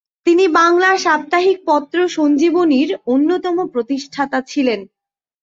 তিনি বাংলা সাপ্তাহিক পত্র সঞ্জীবনী-র অন্যতম প্রতিষ্ঠাতা ছিলেন।